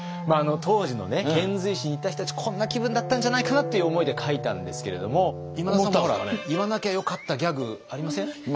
当時の遣隋使に行った人たちこんな気分だったんじゃないかなという思いで書いたんですけれども今田さんも言わなきゃよかったギャグありません？